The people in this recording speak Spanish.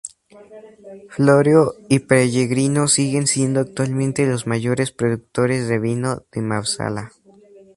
Florio y Pellegrino siguen siendo actualmente los mayores productores de vino de Marsala.